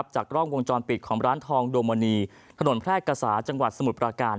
จากกล้องวงจรปิดของร้านทองโดมณีถนนแพร่กษาจังหวัดสมุทรประการ